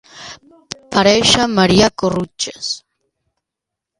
Parèixer Maria Corruixes.